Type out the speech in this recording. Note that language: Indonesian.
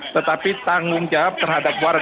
tetapi tanggung jawab terhadap warga